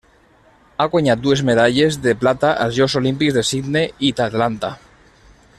Ha guanyat dues medalles de plata als Jocs Olímpics de Sydney i d'Atlanta.